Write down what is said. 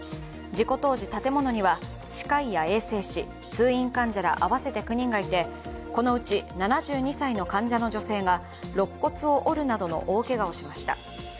事故当時、建物には歯科医や衛生士通院患者ら合わせて９人がいて、このうち７２歳の患者の女性がろっ骨を折るなどの大けがをしました。